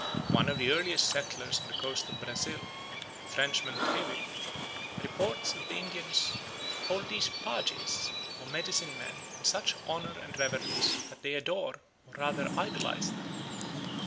One of the earliest settlers on the coast of Brazil, the Frenchman Thevet, reports that the Indians "hold these pages (or medicine men) in such honour and reverence that they adore, or rather idolise them.